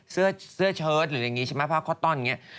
เสื้อเชิดหรืออย่างนี้ใช่ไหมผ้าข้อต้อนอย่างนี้